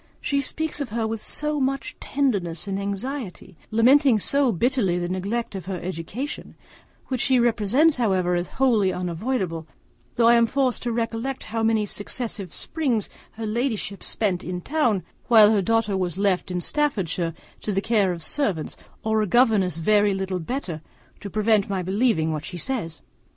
She speaks of her with so much tenderness and anxiety, lamenting so bitterly the neglect of her education, which she represents however as wholly unavoidable, that I am forced to recollect how many successive springs her ladyship spent in town, while her daughter was left in Staffordshire to the care of servants, or a governess very little better, to prevent my believing what she says.